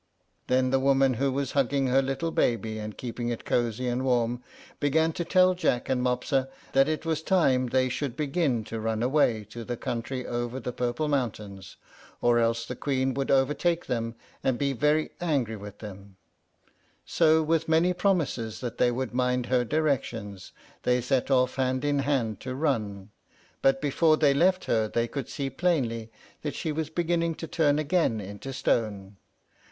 Then the woman who was hugging her little baby, and keeping it cosy and warm, began to tell Jack and Mopsa that it was time they should begin to run away to the country over the purple mountains, or else the Queen would overtake them and be very angry with them; so, with many promises that they would mind her directions, they set off hand in hand to run; but before they left her they could see plainly that she was beginning to turn again into stone.